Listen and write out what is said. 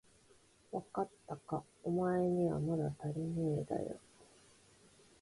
わかったか、おまえにはまだたりねえだよ。